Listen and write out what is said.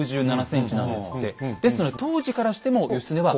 ですので当時からしても義経は。